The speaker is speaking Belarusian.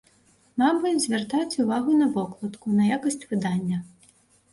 Мабыць, звяртаюць увагу на вокладку, на якасць выдання.